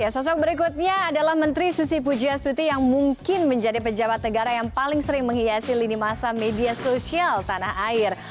sosok berikutnya adalah menteri susi pujiastuti yang mungkin menjadi pejabat negara yang paling sering menghiasi lini masa media sosial tanah air